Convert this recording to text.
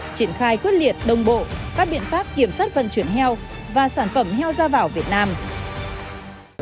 triển khai quyết liệt đồng bộ các biện pháp kiểm soát vận chuyển heo và sản phẩm heo ra vào việt nam